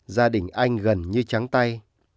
gia đình anh gần như trắng tay